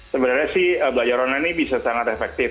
sebenarnya sih belajar online ini bisa sangat efektif